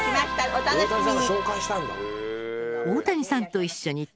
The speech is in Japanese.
お楽しみに。